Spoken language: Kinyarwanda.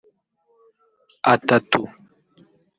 atatu